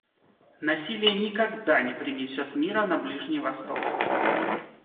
Насилие никогда не принесет мира на Ближний Восток.